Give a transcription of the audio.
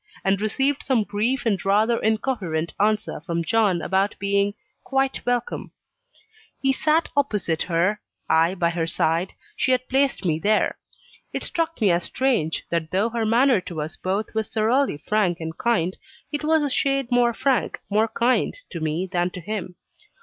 and received some brief and rather incoherent answer from John about being "quite welcome." He sat opposite her I by her side she had placed me there. It struck me as strange, that though her manner to us both was thoroughly frank and kind, it was a shade more frank, more kind, to me than to him.